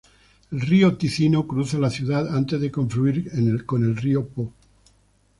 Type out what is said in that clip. El río Ticino cruza la ciudad, antes de confluir con el río Po.